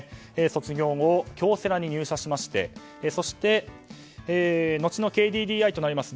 卒業後、京セラに入社しましてそして後のＫＤＤＩとなります